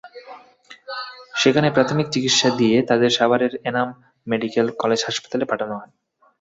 সেখানে প্রাথমিক চিকিৎসা দিয়ে তাঁদের সাভারের এনাম মেডিকেল কলেজ হাসপাতালে পাঠানো হয়।